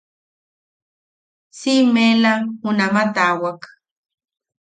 Siʼimeʼela junama taawak.